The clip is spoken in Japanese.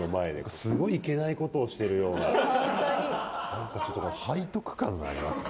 なんかちょっと背徳感がありますね。